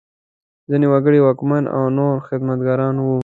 ځینې وګړي واکمنان او نور خدمتګاران وو.